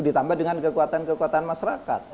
ditambah dengan kekuatan kekuatan masyarakat